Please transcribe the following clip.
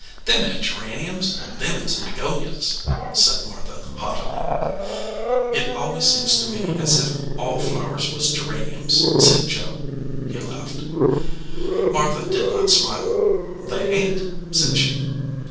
"Them ain t geraniums; them is begonias," said Martha, haughtily. "It always seems to me as if all the flowers was geraniums," said Joe. He laughed. 143 EDGEWATER PEOPLE Martha did not smile. "They ain t/ said she.